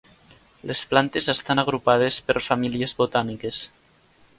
Les plantes estan agrupades per famílies botàniques.